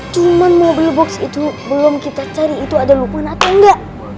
cuman mobil box itu belum kita cari itu ada luqman atau engga